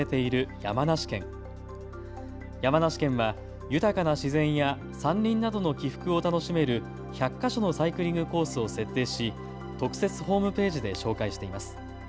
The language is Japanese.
山梨県は豊かな自然や山林などの起伏を楽しめる１００か所のサイクリングコースを設定し特設ホームページで紹介しています。